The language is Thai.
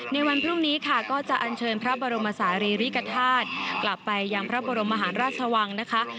ในวันพรุ่งนี้ค่ะก็จะอันเชิญพระบรมศาลีริกฐาตุกลับไปยังพระบรมมหาราชวังนะคะ